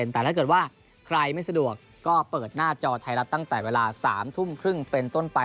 แต่ถ้าเกิดว่าใครไม่สะดวกก็เปิดหน้าจอไทยรัฐตั้งแต่เวลา๓ทุ่มครึ่งเป็นต้นไป